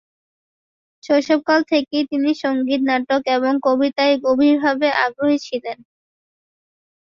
শৈশবকাল থেকেই তিনি সংগীত, নাটক এবং কবিতায় গভীরভাবে আগ্রহী ছিলেন।